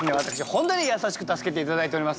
本当に優しく助けて頂いております